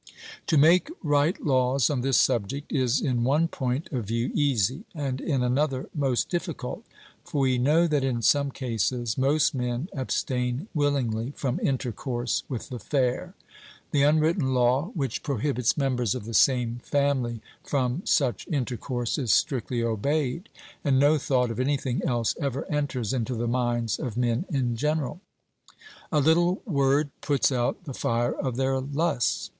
To make right laws on this subject is in one point of view easy, and in another most difficult; for we know that in some cases most men abstain willingly from intercourse with the fair. The unwritten law which prohibits members of the same family from such intercourse is strictly obeyed, and no thought of anything else ever enters into the minds of men in general. A little word puts out the fire of their lusts.